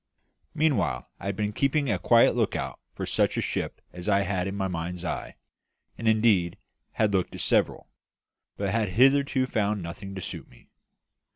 Meanwhile, I had been keeping a quiet lookout for such a ship as I had in my mind's eye, and indeed had looked at several, but had hitherto found nothing to suit me.